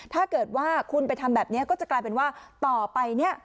ถ้าเกิดว่าคุณไปทำแบบนี้ก็จะกลายเป็นว่าต่อไปเนี่ย